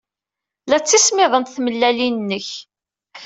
La ttismiḍent tmellalin-nnek.